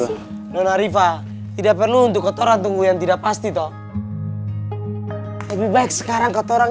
sih nona riva tidak perlu untuk ketoran tunggu yang tidak pasti toh lebih baik sekarang ketoran